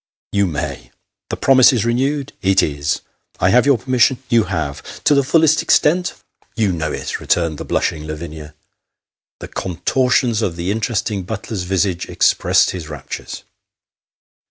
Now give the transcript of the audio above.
"" You may." 1 The promise is renewed '?"' It is." ' I have your permission ?"' You have." ' To the fullest extent ?"' You know it," returned the blushing Laviuia. The contortions of the interesting Butler's visage expressed his raptures.